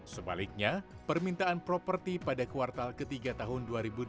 sebaliknya permintaan properti pada kuartal ketiga tahun dua ribu dua puluh